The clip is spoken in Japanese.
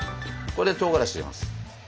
ここでとうがらし入れます。